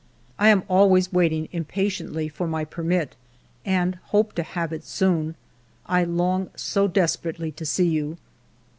I am always waiting impatiently for my permit, and hope to have it soon. I long so desperately to see you."